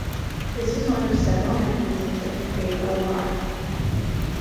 This is one of several mechanisms that can create a lahar.